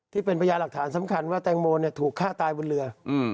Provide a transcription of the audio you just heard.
ที่เป็นประยาทหลักฐานสำคัญว่าแตงโมถูกฆ่าตายบนเรือ